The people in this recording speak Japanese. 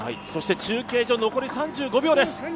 中継所残り３５秒です。